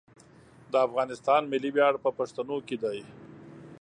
د افغانستان ملي ویاړ په پښتنو کې دی.